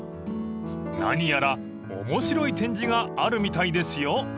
［何やら面白い展示があるみたいですよ］